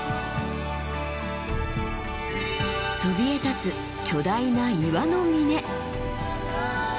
そびえ立つ巨大な岩の峰。